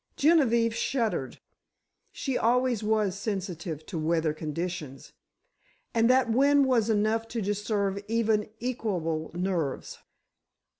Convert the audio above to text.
Genevieve shuddered—she always was sensitive to weather conditions, and that wind was enough to disturb even equable nerves.